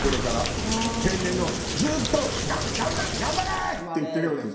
天然のずっと「頑張れー！」って言ってるような人。